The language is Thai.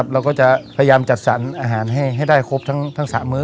เราก็จะพยายามจัดสรรอาหารให้ได้ครบทั้ง๓มื้อ